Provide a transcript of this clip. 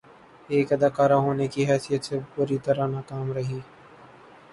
ایک اداکار ہونے کی حیثیت سے بری طرح ناکام رہی